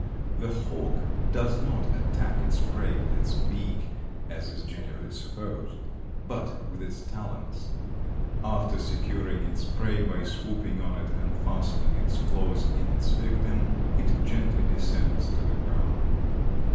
The hawk does not attack its prey with its beak, as is generally supposed, but with its talons. After securing its prey by swooping on it and fastening its claws in its victim it gently descends to the ground.